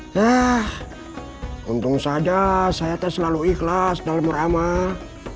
nah untung saja saya tak selalu ikhlas dalam meramah